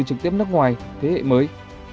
trực tiếp nước ngoài thế hệ mới